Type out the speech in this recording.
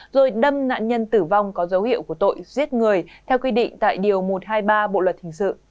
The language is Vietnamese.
rồi đâm nạn nhân tử vong có dấu hiệu của tội giết người theo quy định tại điều một trăm hai mươi ba bộ luật hình sự